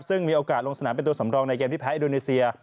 ซึ่งมีโอกาสลงสนามเป็นตัวสำรองในเกมที่แพ้อินโดนีเซีย